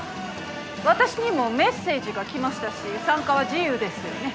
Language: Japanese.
私にもメッセージが来ましたし参加は自由ですよね？